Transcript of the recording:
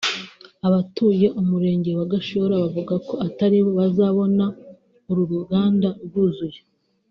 Abatuye umurenge wa Gashora bavuga ko ataribo bazabona uru ruganda rwuzuye